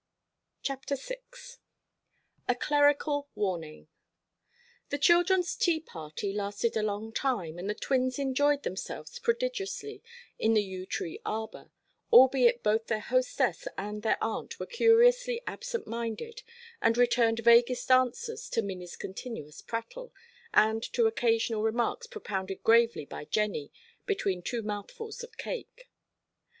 CHAPTER VI. A CLERICAL WARNING. The children's tea party lasted a long time, and the twins enjoyed themselves prodigiously in the yew tree arbour, albeit both their hostess and their aunt were curiously absent minded, and returned vaguest answers to Minnie's continuous prattle, and to occasional remarks propounded gravely by Jennie between two mouthfuls of cake.